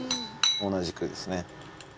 同じくですね。